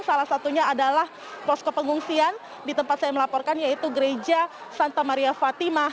salah satunya adalah posko pengungsian di tempat saya melaporkan yaitu gereja santa maria fatimah